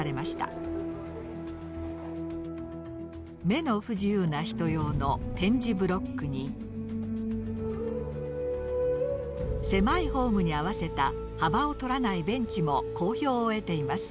目の不自由な人用の点字ブロックに狭いホームに合わせた幅を取らないベンチも好評を得ています。